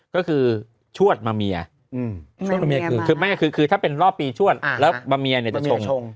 ก็คือชวดมาเมียคือถ้าเป็นรอบปีชวดแล้วมาเมียเนี่ยจะชง